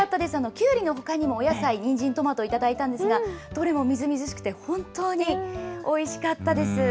キュウリのほかにもお野菜、ニンジン、トマト頂いたんですが、どれもみずみずしくて本当においしかったです。